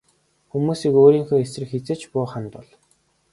Хүмүүсийг өөрийнхөө эсрэг хэзээ ч бүү хандуул.